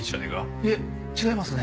いえ違いますね。